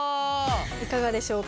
いかがでしょうか。